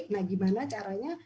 nah gimana caranya